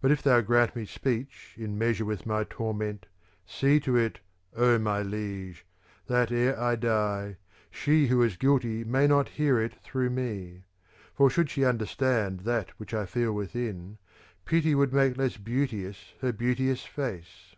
But, if thou grant me speech in measure with my torment, see to it, O my liege, that e'er I die she who is guilty may not hear it through me ; for should she understand that which I feel within, pity would make less beauteous her beauteous face.